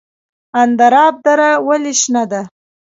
اندراب دره ولې شنه ده؟